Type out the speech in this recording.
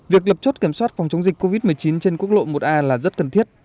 việc lập chốt kiểm soát phòng chống dịch covid một mươi chín trên quốc lộ một a là rất cần thiết